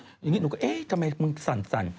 อย่างนี้หนูก็เอ๊ะทำไมมึงสั่น